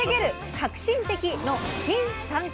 革新的！」の新３Ｋ！